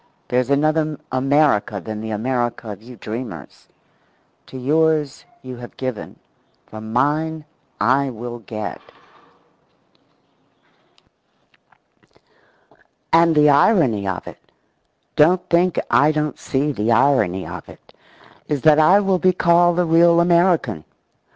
There's another America than the America of you dreamers. To yours you have given; from mine I will get. And the irony of it don't think I don't see the irony of it is that I will be called the real American.